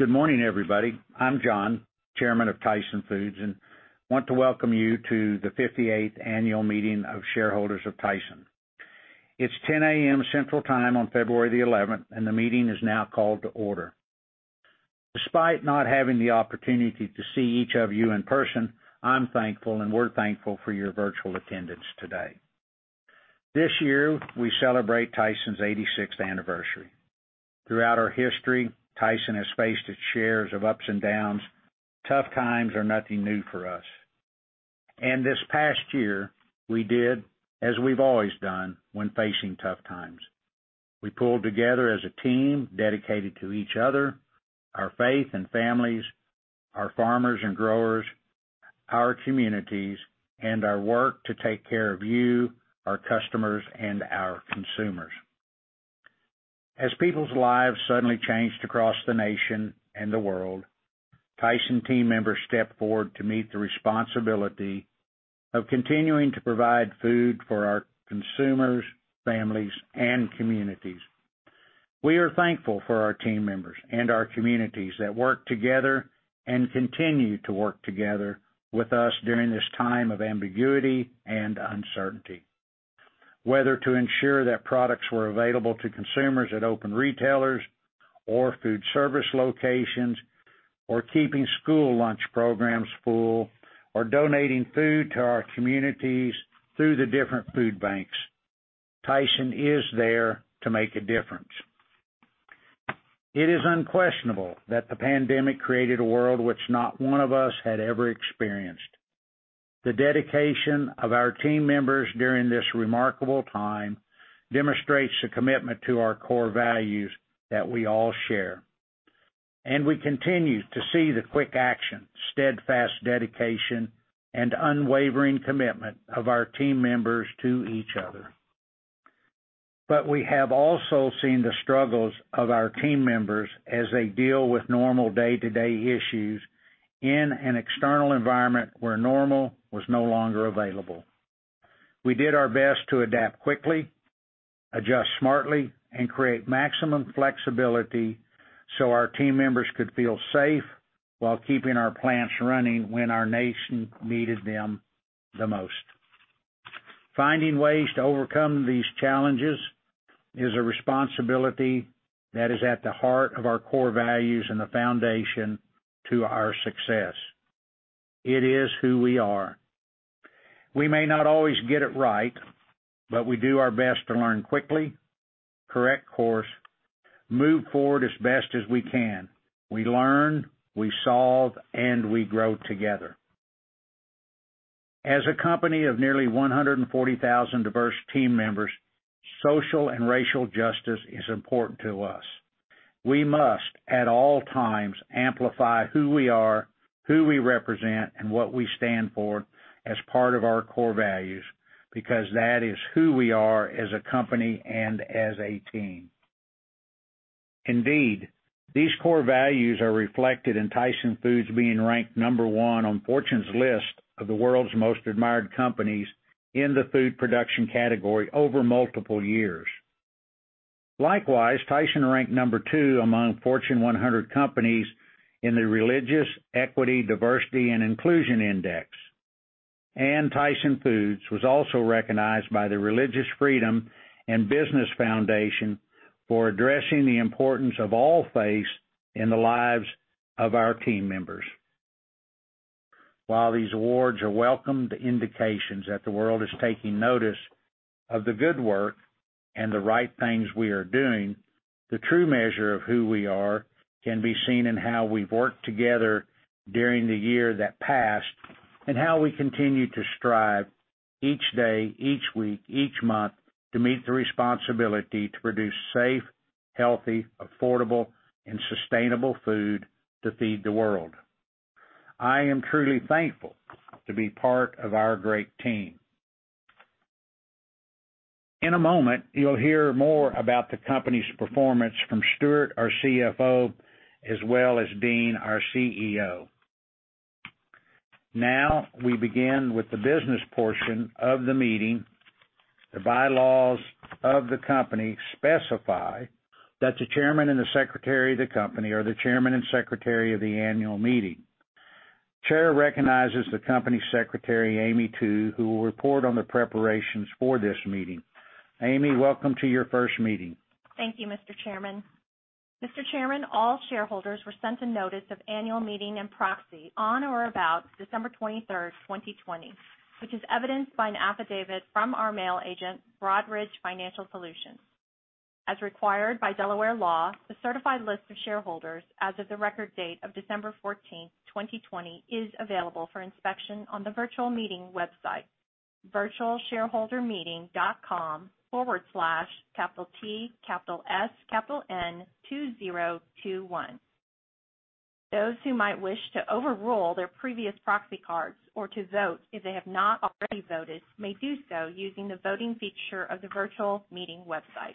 Good morning, everybody. I'm John, Chairman of Tyson Foods, and want to welcome you to the 58th Annual Meeting of Shareholders of Tyson. It's 10:00 A.M. Central Time on February the 11th, and the meeting is now called to order. Despite not having the opportunity to see each of you in person, I'm thankful, and we're thankful for your virtual attendance today. This year, we celebrate Tyson's 86th anniversary. Throughout our history, Tyson has faced its shares of ups and downs. Tough times are nothing new for us. This past year, we did as we've always done when facing tough times. We pulled together as a team dedicated to each other, our faith and families, our farmers and growers, our communities, and our work to take care of you, our customers, and our consumers. As people's lives suddenly changed across the nation and the world, Tyson team members stepped forward to meet the responsibility of continuing to provide food for our consumers, families, and communities. We are thankful for our team members and our communities that work together and continue to work together with us during this time of ambiguity and uncertainty. Whether to ensure that products were available to consumers at open retailers or food service locations, or keeping school lunch programs full, or donating food to our communities through the different food banks, Tyson is there to make a difference. It is unquestionable that the pandemic created a world which not one of us had ever experienced. The dedication of our team members during this remarkable time demonstrates a commitment to our core values that we all share. We continue to see the quick action, steadfast dedication, and unwavering commitment of our team members to each other. We have also seen the struggles of our team members as they deal with normal day-to-day issues in an external environment where normal was no longer available. We did our best to adapt quickly, adjust smartly, and create maximum flexibility so our team members could feel safe while keeping our plants running when our nation needed them the most. Finding ways to overcome these challenges is a responsibility that is at the heart of our core values and the foundation to our success. It is who we are. We may not always get it right, but we do our best to learn quickly, correct course, move forward as best as we can. We learn, we solve, and we grow together. As a company of nearly 140,000 diverse team members, social and racial justice is important to us. We must, at all times, amplify who we are, who we represent, and what we stand for as part of our core values, because that is who we are as a company and as a team. Indeed, these core values are reflected in Tyson Foods being ranked number 1 on Fortune's list of the World's Most Admired Companies in the food production category over multiple years. Likewise, Tyson ranked number 2 among Fortune 100 companies in the Religious Equity, Diversity, and Inclusion Index. Tyson Foods was also recognized by the Religious Freedom and Business Foundation for addressing the importance of all faiths in the lives of our team members. While these awards are welcomed indications that the world is taking notice of the good work and the right things we are doing, the true measure of who we are can be seen in how we've worked together during the year that passed, and how we continue to strive each day, each week, each month, to meet the responsibility to produce safe, healthy, affordable, and sustainable food to feed the world. I am truly thankful to be part of our great team. In a moment, you'll hear more about the company's performance from Stewart, our CFO, as well as Dean, our CEO. Now, we begin with the business portion of the meeting. The bylaws of the company specify that the chairman and the secretary of the company are the chairman and secretary of the annual meeting. Chair recognizes the Company Secretary, Amy Tu, who will report on the preparations for this meeting. Amy, welcome to your first meeting. Thank you, Mr. Chairman. Mr. Chairman, all shareholders were sent a notice of annual meeting and proxy on or about December 23rd, 2020, which is evidenced by an affidavit from our mail agent, Broadridge Financial Solutions. As required by Delaware law, the certified list of shareholders as of the record date of December 14th, 2020, is available for inspection on the virtual meeting website, virtualshareholdermeeting.com/TSN2021. Those who might wish to overrule their previous proxy cards or to vote if they have not already voted may do so using the voting feature of the virtual meeting website.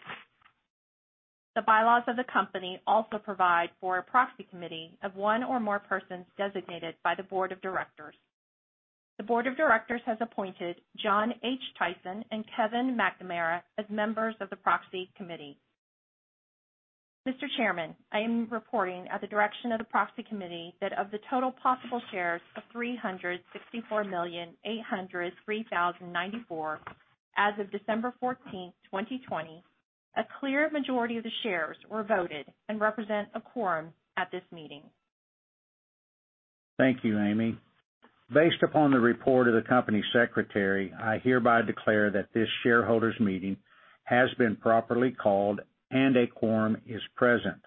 The bylaws of the company also provide for a proxy committee of one or more persons designated by the board of directors. The board of directors has appointed John H. Tyson and Kevin McNamara as members of the proxy committee. Mr. Chairman, I am reporting at the direction of the proxy committee that of the total possible shares of 364,803,094 as of December 14th, 2020, a clear majority of the shares were voted and represent a quorum at this meeting. Thank you, Amy. Based upon the report of the company secretary, I hereby declare that this shareholders' meeting has been properly called and a quorum is present.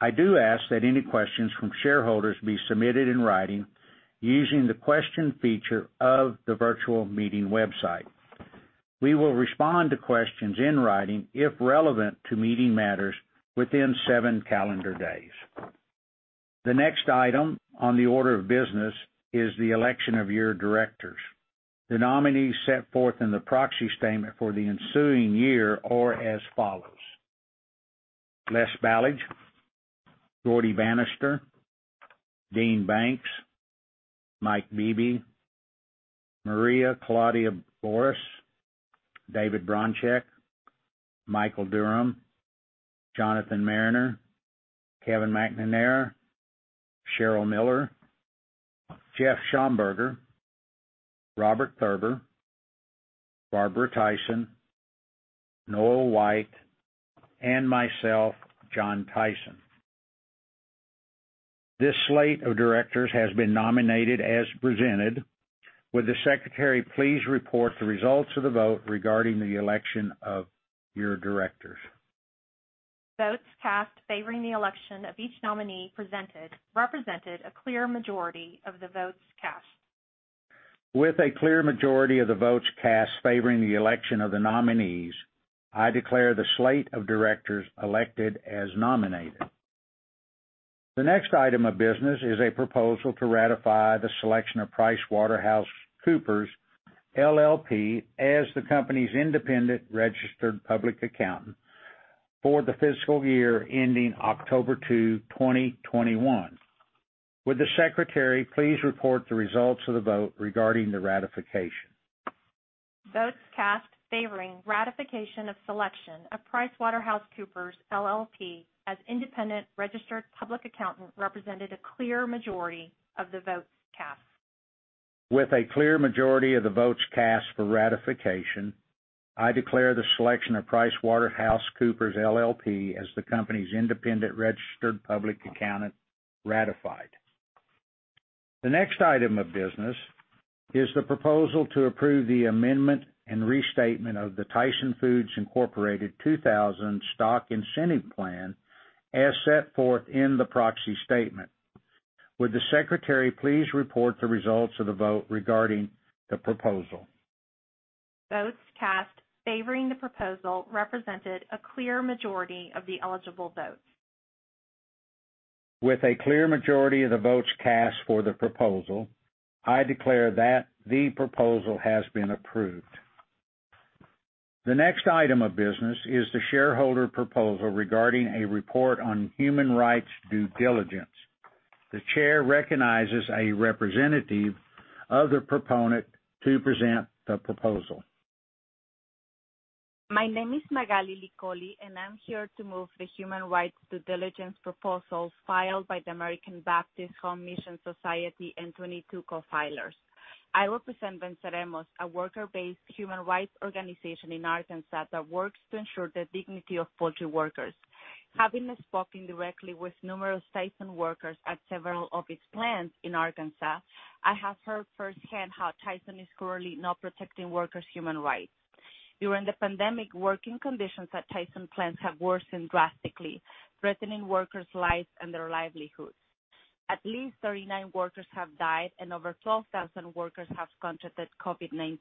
I do ask that any questions from shareholders be submitted in writing using the question feature of the virtual meeting website. We will respond to questions in writing if relevant to meeting matters within seven calendar days. The next item on the order of business is the election of your directors. The nominees set forth in the proxy statement for the ensuing year are as follows: Les Baledge, Gaurdie Banister, Dean Banks, Mike Beebe, Maria Claudia Borras, David Bronczek, Mikel Durham, Jonathan Mariner, Kevin McNamara, Cheryl Miller, Jeff Schomburger, Robert Thurber, Barbara Tyson, Noel White, and myself, John Tyson. This slate of directors has been nominated as presented. Would the secretary please report the results of the vote regarding the election of your directors? Votes cast favoring the election of each nominee presented represented a clear majority of the votes cast. With a clear majority of the votes cast favoring the election of the nominees, I declare the slate of directors elected as nominated. The next item of business is a proposal to ratify the selection of PricewaterhouseCoopers LLP, as the company's independent registered public accountant for the fiscal year ending October two, 2021. Would the secretary please report the results of the vote regarding the ratification? Votes cast favoring ratification of selection of PricewaterhouseCoopers LLP, as independent registered public accountant, represented a clear majority of the votes cast. With a clear majority of the votes cast for ratification, I declare the selection of PricewaterhouseCoopers LLP as the company's independent registered public accountant ratified. The next item of business is the proposal to approve the amendment and restatement of the Tyson Foods, Inc. 2000 Stock Incentive Plan as set forth in the proxy statement. Would the secretary please report the results of the vote regarding the proposal? Votes cast favoring the proposal represented a clear majority of the eligible votes. With a clear majority of the votes cast for the proposal, I declare that the proposal has been approved. The next item of business is the shareholder proposal regarding a report on human rights due diligence. The chair recognizes a representative of the proponent to present the proposal. My name is Magaly Licolli, I'm here to move the human rights due diligence proposal filed by the American Baptist Home Mission Societies and 22 co-filers. I represent Venceremos, a worker-based human rights organization in Arkansas that works to ensure the dignity of poultry workers. Having spoken directly with numerous Tyson workers at several of its plants in Arkansas, I have heard firsthand how Tyson is currently not protecting workers' human rights. During the pandemic, working conditions at Tyson plants have worsened drastically, threatening workers' lives and their livelihoods. At least 39 workers have died and over 12,000 workers have contracted COVID-19.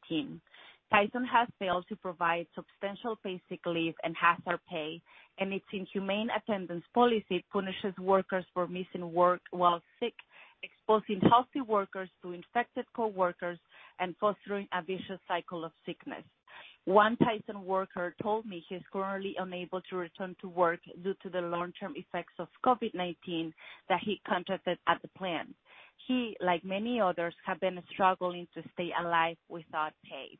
Tyson has failed to provide substantial paid sick leave and hazard pay, its inhumane attendance policy punishes workers for missing work while sick, exposing healthy workers to infected coworkers and fostering a vicious cycle of sickness. One Tyson worker told me he's currently unable to return to work due to the long-term effects of COVID-19 that he contracted at the plant. He, like many others, have been struggling to stay alive without pay.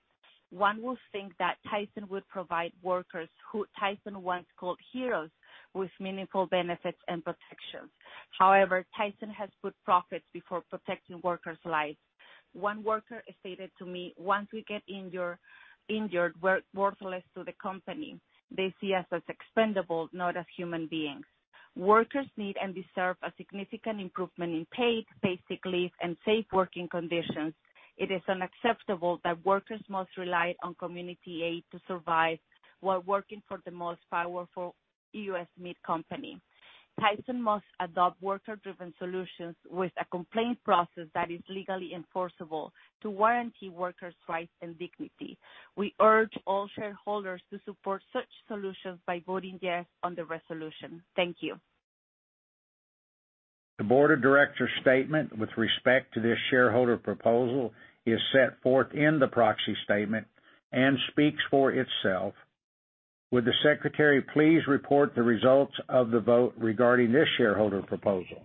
One would think that Tyson would provide workers who Tyson once called heroes with meaningful benefits and protections. However, Tyson has put profits before protecting workers' lives. One worker stated to me, "Once we get injured, we're worthless to the company. They see us as expendable, not as human beings." Workers need and deserve a significant improvement in pay, paid sick leave, and safe working conditions. It is unacceptable that workers must rely on community aid to survive while working for the most powerful U.S. meat company. Tyson must adopt worker-driven solutions with a complaint process that is legally enforceable to warranty workers' rights and dignity. We urge all shareholders to support such solutions by voting yes on the resolution. Thank you. The board of directors' statement with respect to this shareholder proposal is set forth in the proxy statement and speaks for itself. Would the secretary please report the results of the vote regarding this shareholder proposal?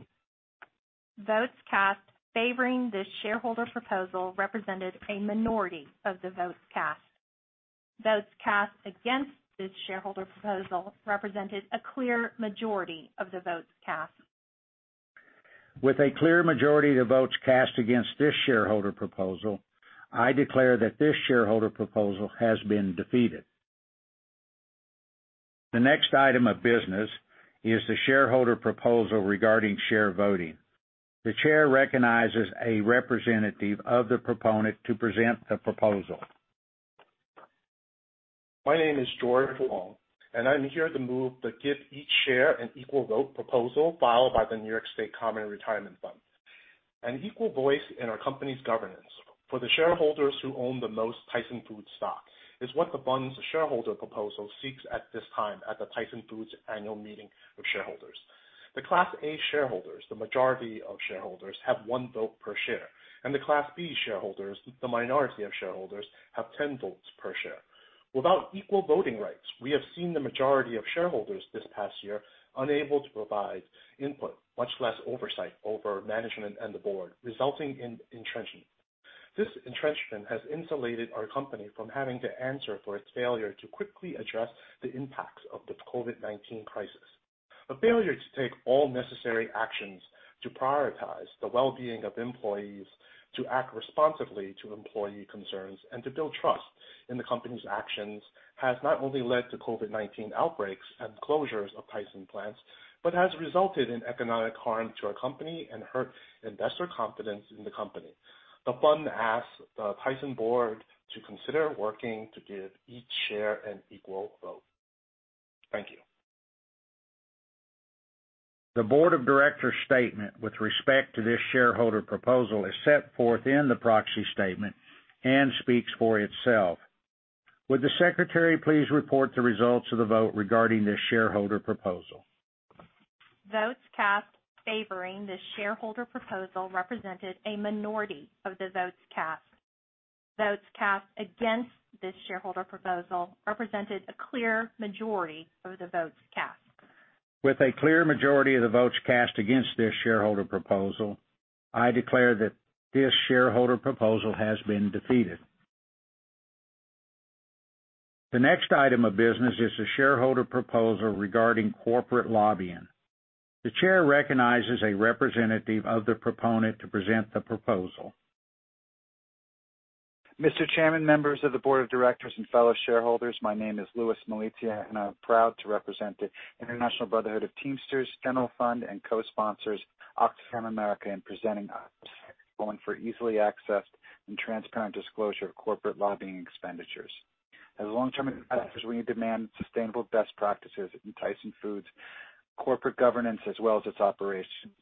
Votes cast favoring this shareholder proposal represented a minority of the votes cast. Votes cast against this shareholder proposal represented a clear majority of the votes cast. With a clear majority of the votes cast against this shareholder proposal, I declare that this shareholder proposal has been defeated. The next item of business is the shareholder proposal regarding share voting. The chair recognizes a representative of the proponent to present the proposal. My name is George Wong, and I'm here to move the "Give Each Share an Equal Vote" proposal filed by the New York State Common Retirement Fund. An equal voice in our company's governance for the shareholders who own the most Tyson Foods stock is what the fund's shareholder proposal seeks at this time at the Tyson Foods annual meeting of shareholders. The Class A shareholders, the majority of shareholders, have one vote per share, and the Class B shareholders, the minority of shareholders, have 10 votes per share. Without equal voting rights, we have seen the majority of shareholders this past year unable to provide input, much less oversight over management and the board, resulting in entrenchment. This entrenchment has insulated our company from having to answer for its failure to quickly address the impacts of the COVID-19 crisis. A failure to take all necessary actions to prioritize the well-being of employees, to act responsibly to employee concerns, and to build trust in the company's actions has not only led to COVID-19 outbreaks and closures of Tyson plants, but has resulted in economic harm to our company and hurt investor confidence in the company. The fund asks the Tyson board to consider working to give each share an equal vote. Thank you. The board of directors' statement with respect to this shareholder proposal is set forth in the proxy statement and speaks for itself. Would the secretary please report the results of the vote regarding this shareholder proposal? Votes cast favoring this shareholder proposal represented a minority of the votes cast. Votes cast against this shareholder proposal represented a clear majority of the votes cast. With a clear majority of the votes cast against this shareholder proposal, I declare that this shareholder proposal has been defeated. The next item of business is the shareholder proposal regarding corporate lobbying. The chair recognizes a representative of the proponent to present the proposal. Mr. Chairman, members of the board of directors, and fellow shareholders, my name is Louis Malizia. I'm proud to represent the International Brotherhood of Teamsters General Fund and co-sponsors Oxfam America in presenting Item Six, going for easily accessed and transparent disclosure of corporate lobbying expenditures. As long-term investors, we demand sustainable best practices in Tyson Foods' corporate governance as well as its operations.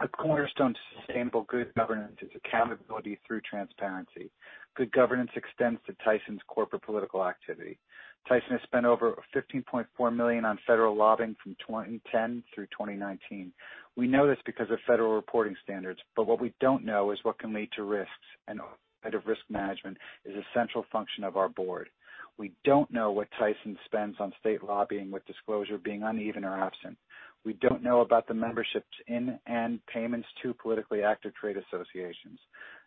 A cornerstone to sustainable good governance is accountability through transparency. Good governance extends to Tyson's corporate political activity. Tyson has spent over $15.4 million on federal lobbying from 2010 through 2019. We know this because of federal reporting standards. What we don't know is what can lead to risks and effective risk management is a central function of our board. We don't know what Tyson spends on state lobbying with disclosure being uneven or absent. We don't know about the memberships in and payments to politically active trade associations,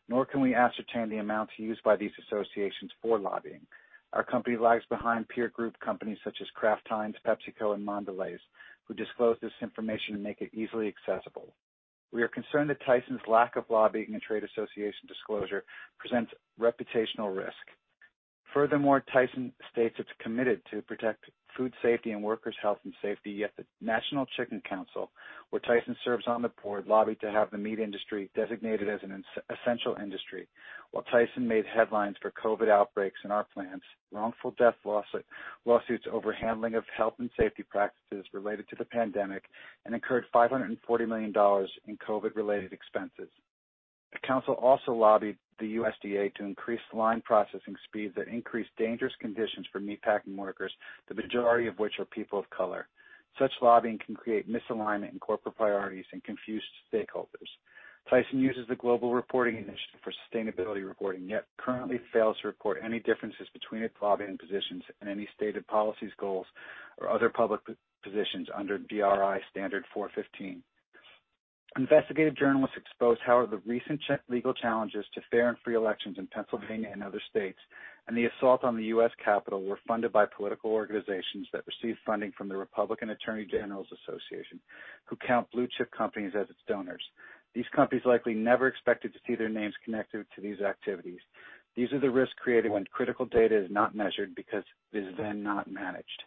nor can we ascertain the amounts used by these associations for lobbying. Our company lags behind peer group companies such as Kraft Heinz, PepsiCo, and Mondelez, who disclose this information and make it easily accessible. We are concerned that Tyson's lack of lobbying and trade association disclosure presents reputational risk. Furthermore, Tyson states it's committed to protect food safety and workers' health and safety, yet the National Chicken Council, where Tyson serves on the board, lobbied to have the meat industry designated as an essential industry, while Tyson made headlines for COVID outbreaks in our plants, wrongful death lawsuits over handling of health and safety practices related to the pandemic, and incurred $540 million in COVID-related expenses. The council also lobbied the USDA to increase line processing speeds that increased dangerous conditions for meatpacking workers, the majority of which are people of color. Such lobbying can create misalignment in corporate priorities and confuse stakeholders. Tyson uses the Global Reporting Initiative for sustainability reporting, yet currently fails to report any differences between its lobbying positions and any stated policies, goals, or other public positions under GRI 415. Investigative journalists exposed how the recent legal challenges to fair and free elections in Pennsylvania and other states and the assault on the U.S. Capitol were funded by political organizations that received funding from the Republican Attorneys General Association, who count blue-chip companies as its donors. These companies likely never expected to see their names connected to these activities. These are the risks created when critical data is not measured because it is then not managed.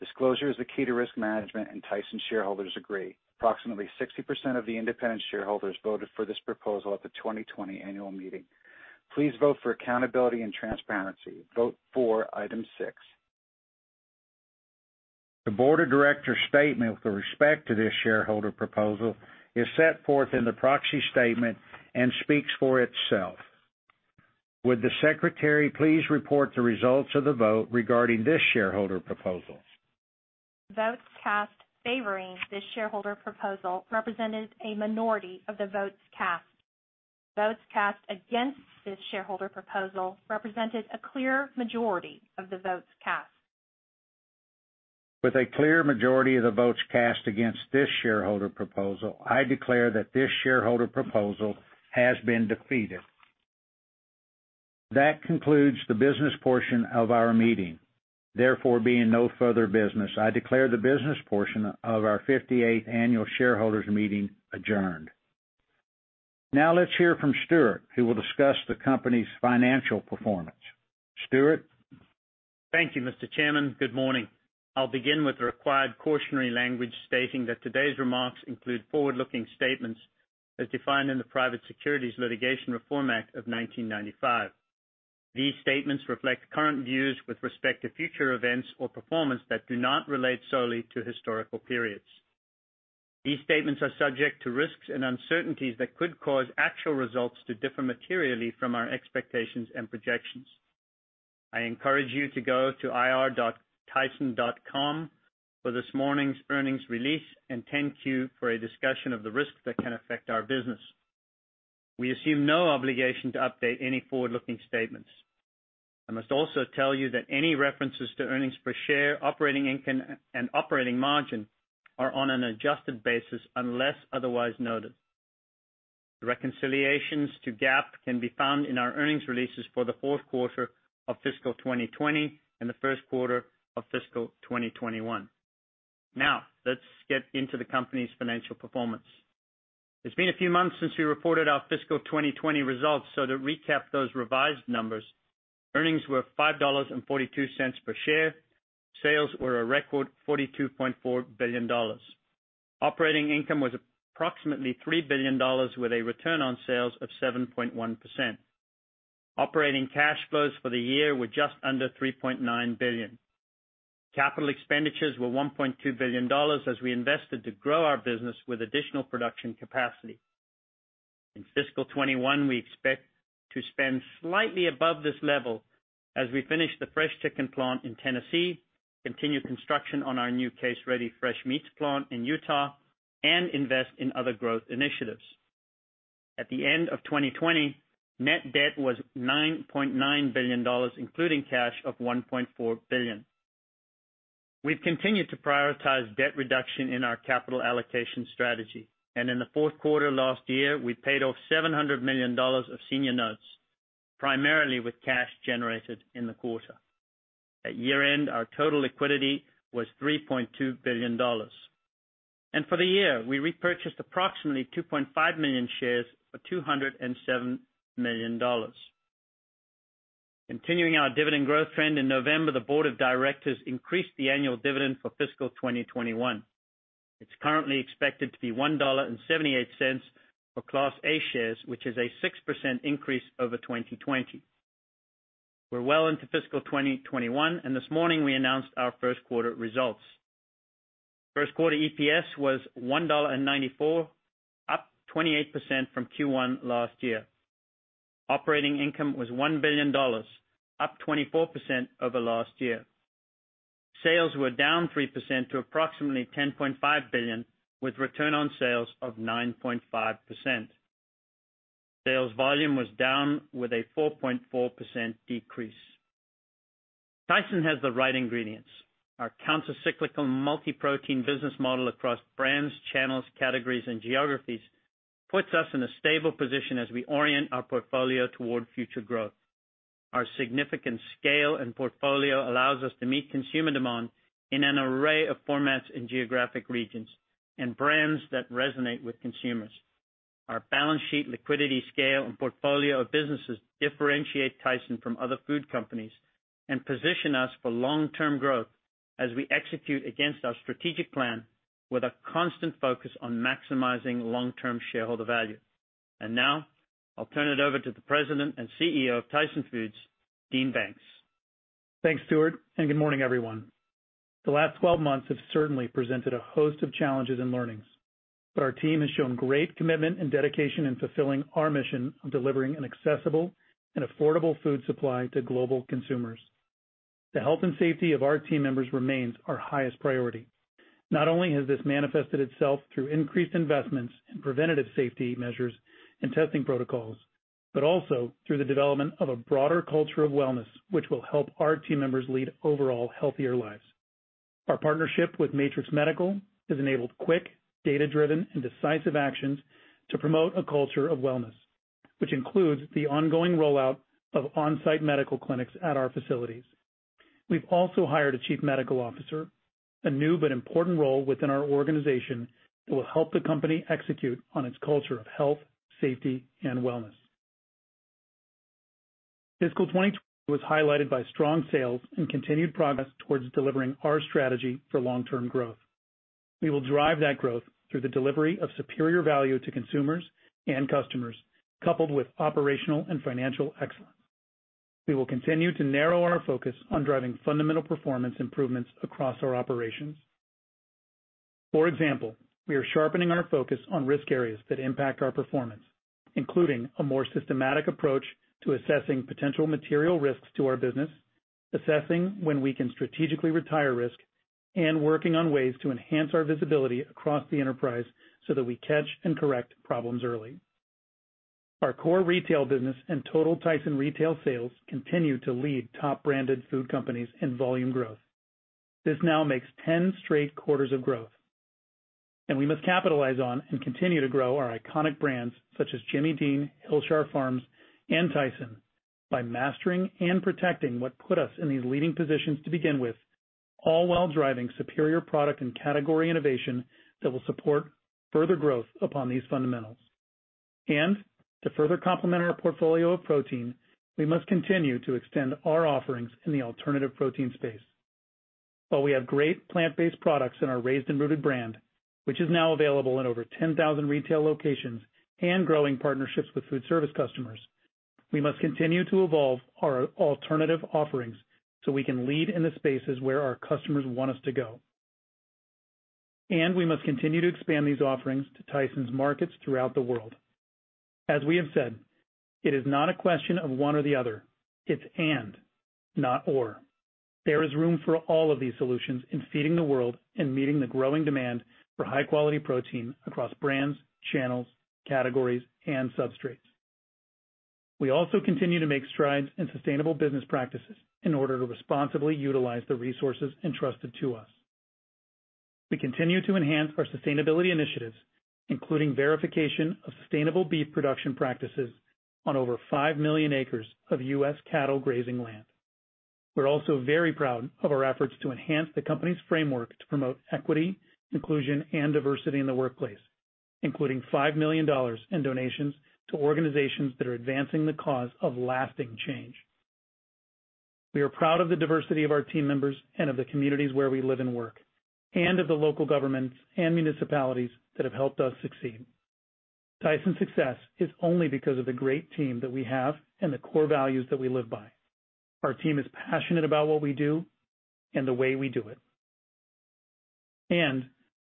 Disclosure is the key to risk management, and Tyson shareholders agree. Approximately 60% of the independent shareholders voted for this proposal at the 2020 annual meeting. Please vote for accountability and transparency. Vote for Item 6. The board of directors' statement with respect to this shareholder proposal is set forth in the proxy statement and speaks for itself. Would the secretary please report the results of the vote regarding this shareholder proposal? Votes cast favoring this shareholder proposal represented a minority of the votes cast. Votes cast against this shareholder proposal represented a clear majority of the votes cast. With a clear majority of the votes cast against this shareholder proposal, I declare that this shareholder proposal has been defeated. That concludes the business portion of our meeting. Being no further business, I declare the business portion of our 58th annual shareholders meeting adjourned. Now let's hear from Stewart, who will discuss the company's financial performance. Stewart? Thank you, Mr. Chairman. Good morning. I'll begin with the required cautionary language stating that today's remarks include forward-looking statements as defined in the Private Securities Litigation Reform Act of 1995. These statements reflect current views with respect to future events or performance that do not relate solely to historical periods. These statements are subject to risks and uncertainties that could cause actual results to differ materially from our expectations and projections. I encourage you to go to ir.tyson.com for this morning's earnings release and 10-Q for a discussion of the risks that can affect our business. We assume no obligation to update any forward-looking statements. I must also tell you that any references to earnings per share, operating income, and operating margin are on an adjusted basis unless otherwise noted. The reconciliations to GAAP can be found in our earnings releases for the fourth quarter of fiscal 2020 and the first quarter of fiscal 2021. Let's get into the company's financial performance. It's been a few months since we reported our fiscal 2020 results, to recap those revised numbers, earnings were $5.42 per share. Sales were a record $42.4 billion. Operating income was approximately $3 billion with a return on sales of 7.1%. Operating cash flows for the year were just under $3.9 billion. Capital expenditures were $1.2 billion as we invested to grow our business with additional production capacity. In fiscal 2021, we expect to spend slightly above this level as we finish the fresh chicken plant in Tennessee, continue construction on our new case-ready fresh meats plant in Utah, and invest in other growth initiatives. At the end of 2020, net debt was $9.9 billion, including cash of $1.4 billion. We've continued to prioritize debt reduction in our capital allocation strategy, and in the fourth quarter last year, we paid off $700 million of senior notes, primarily with cash generated in the quarter. At year-end, our total liquidity was $3.2 billion. For the year, we repurchased approximately 2.5 million shares for $207 million. Continuing our dividend growth trend, in November, the board of directors increased the annual dividend for fiscal 2021. It's currently expected to be $1.78 for Class A shares, which is a 6% increase over 2020. We're well into fiscal 2021, and this morning we announced our first quarter results. First quarter EPS was $1.94, up 28% from Q1 last year. Operating income was $1 billion, up 24% over last year. Sales were down 3% to approximately $10.5 billion, with return on sales of 9.5%. Sales volume was down with a 4.4% decrease. Tyson has the right ingredients. Our counter-cyclical multi-protein business model across brands, channels, categories, and geographies puts us in a stable position as we orient our portfolio toward future growth. Our significant scale and portfolio allows us to meet consumer demand in an array of formats and geographic regions and brands that resonate with consumers. Our balance sheet liquidity scale and portfolio of businesses differentiate Tyson from other food companies and position us for long-term growth as we execute against our strategic plan with a constant focus on maximizing long-term shareholder value. Now I'll turn it over to the President and CEO of Tyson Foods, Dean Banks. Thanks, Stewart, good morning, everyone. The last 12 months have certainly presented a host of challenges and learnings, but our team has shown great commitment and dedication in fulfilling our mission of delivering an accessible and affordable food supply to global consumers. The health and safety of our team members remains our highest priority. Not only has this manifested itself through increased investments in preventative safety measures and testing protocols, but also through the development of a broader culture of wellness, which will help our team members lead overall healthier lives. Our partnership with Matrix Medical has enabled quick, data-driven, and decisive actions to promote a culture of wellness, which includes the ongoing rollout of on-site medical clinics at our facilities. We've also hired a chief medical officer, a new but important role within our organization that will help the company execute on its culture of health, safety, and wellness. Fiscal 2020 was highlighted by strong sales and continued progress towards delivering our strategy for long-term growth. We will drive that growth through the delivery of superior value to consumers and customers, coupled with operational and financial excellence. We will continue to narrow our focus on driving fundamental performance improvements across our operations. For example, we are sharpening our focus on risk areas that impact our performance, including a more systematic approach to assessing potential material risks to our business, assessing when we can strategically retire risk, and working on ways to enhance our visibility across the enterprise so that we catch and correct problems early. Our core retail business and total Tyson retail sales continue to lead top branded food companies in volume growth. This now makes 10 straight quarters of growth. We must capitalize on and continue to grow our iconic brands such as Jimmy Dean, Hillshire Farm, and Tyson by mastering and protecting what put us in these leading positions to begin with, all while driving superior product and category innovation that will support further growth upon these fundamentals. To further complement our portfolio of protein, we must continue to extend our offerings in the alternative protein space. While we have great plant-based products in our Raised & Rooted brand, which is now available in over 10,000 retail locations and growing partnerships with food service customers, we must continue to evolve our alternative offerings so we can lead in the spaces where our customers want us to go. We must continue to expand these offerings to Tyson's markets throughout the world. As we have said, it is not a question of one or the other. It's and, not or. There is room for all of these solutions in feeding the world and meeting the growing demand for high-quality protein across brands, channels, categories, and substrates. We also continue to make strides in sustainable business practices in order to responsibly utilize the resources entrusted to us. We continue to enhance our sustainability initiatives, including verification of sustainable beef production practices on over 5 million acres of U.S. cattle grazing land. We're also very proud of our efforts to enhance the company's framework to promote equity, inclusion, and diversity in the workplace, including $5 million in donations to organizations that are advancing the cause of lasting change. We are proud of the diversity of our team members and of the communities where we live and work, and of the local governments and municipalities that have helped us succeed. Tyson's success is only because of the great team that we have and the core values that we live by. Our team is passionate about what we do and the way we do it.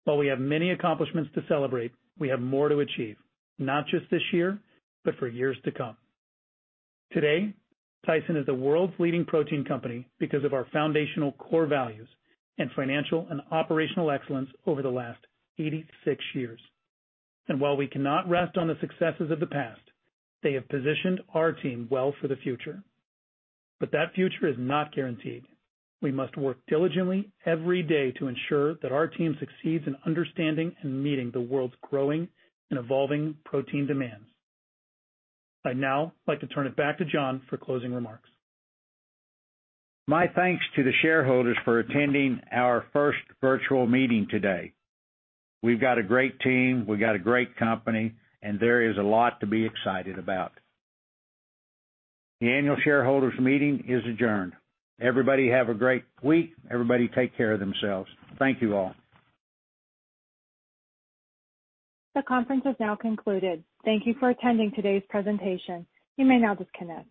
While we have many accomplishments to celebrate, we have more to achieve, not just this year, but for years to come. Today, Tyson is the world's leading protein company because of our foundational core values and financial and operational excellence over the last 86 years. While we cannot rest on the successes of the past, they have positioned our team well for the future. That future is not guaranteed. We must work diligently every day to ensure that our team succeeds in understanding and meeting the world's growing and evolving protein demands. I'd now like to turn it back to John for closing remarks. My thanks to the shareholders for attending our first virtual meeting today. We've got a great team, we've got a great company, and there is a lot to be excited about. The annual shareholders meeting is adjourned. Everybody have a great week. Everybody take care of themselves. Thank you all. The conference has now concluded. Thank you for attending today's presentation. You may now disconnect.